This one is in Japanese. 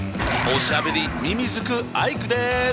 おしゃべりミミズクアイクです！